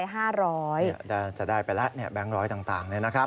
นี่น่าจะได้ไปละเนี่ยแบร์งร้อยต่างเลยนะครับ